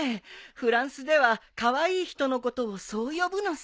フランスではカワイイ人のことをそう呼ぶのさ。